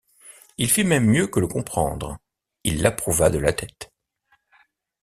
Il fit même mieux que le comprendre, il l’approuva de la tête.